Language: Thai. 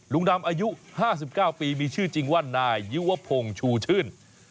ลุงดำอายุห้าสิบเก้าปีมีชื่อจริงว่านายยิวพงศูชื่น